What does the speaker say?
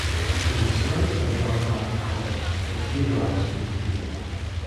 It is surrounded by dark lava columns, which gave rise to its name.